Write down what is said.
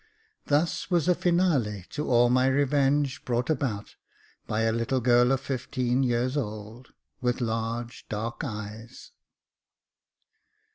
Thus was a finale to all my revenge brought about by a little girl of fifteen years old, with large dark eyes.